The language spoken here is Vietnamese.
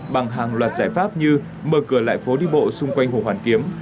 bằng hàng loạt giải pháp như mở cửa lại phố đi bộ xung quanh hồ hoàn kiếm